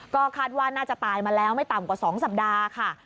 ก็คาดว่าน่าจะตายมาแล้วไม่ต่ำกว่า๒สัปดาห์ค่ะ